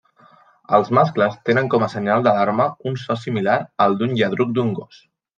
Els mascles tenen com a senyal d'alarma un so similar al d'un lladruc d'un gos.